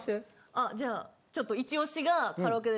あじゃあちょっとイチオシがカラオケで。